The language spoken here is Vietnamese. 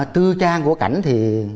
tư trang của cảnh